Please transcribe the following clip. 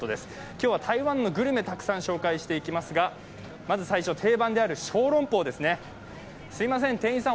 今日は台湾のグルメをたくさん紹介していきますが、まず定番であるショーロンポーですね。